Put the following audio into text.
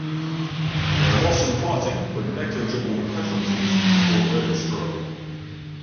There was some fighting but negligible casualties before "Roe" struck.